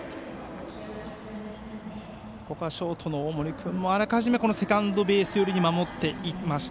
ここはショートの大森君もあらかじめセカンドベース寄りに守っていました。